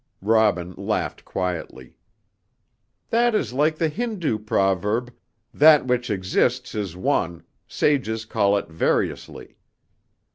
Robin laughed quietly. "That is like the Hindoo proverb, 'That which exists is one; sages call it variously.'